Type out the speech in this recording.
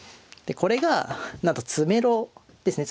これがなんと詰めろですね。